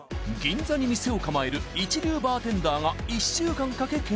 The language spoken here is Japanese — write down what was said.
銀座に店を構える一流バーテンダーが１週間かけ